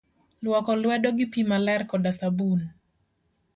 Luoko lwedo gi pii maler koda sabun.